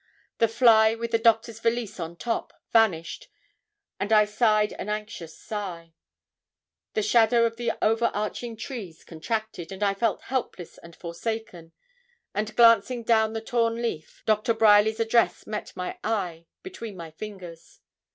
The fly, with the doctor's valise on top, vanished, and I sighed an anxious sigh. The shadow of the over arching trees contracted, and I felt helpless and forsaken; and glancing down the torn leaf, Doctor Bryerly's address met my eye, between my fingers.